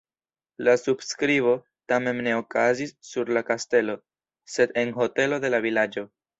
La subskribo tamen ne okazis sur la kastelo, sed en hotelo de la vilaĝo.